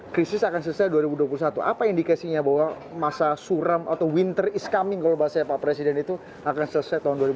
krisis akan selesai dua ribu dua puluh satu apa indikasinya bahwa masa suram atau winter is coming kalau bahasanya pak presiden itu akan selesai tahun dua ribu dua puluh